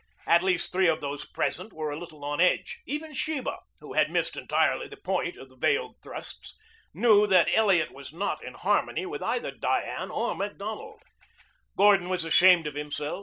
At least three of those present were a little on edge. Even Sheba, who had missed entirely the point of the veiled thrusts, knew that Elliot was not in harmony with either Diane or Macdonald. Gordon was ashamed of himself.